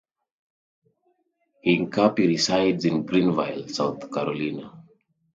Hincapie resides in Greenville, South Carolina.